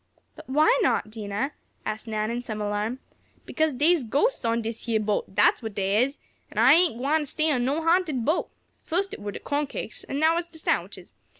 "But why not, Dinah?" asked Nan, in some alarm. "Because dey's ghostests on dish yeah boat; dat's what dey is! An' I ain't gwine stay on no ha'nted boat. Fust it were de corn cakes, an' now it's de sandwiches.